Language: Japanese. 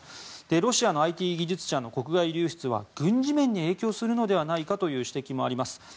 ロシアのＩＴ技術者の国外流出は軍事面に影響するのではないかという指摘もあります。